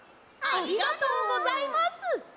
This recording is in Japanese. ありがとうございます！